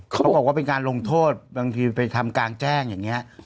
เขาบอกว่าเป็นการลงโทษบางทีไปทำกลางแจ้งอย่างนี้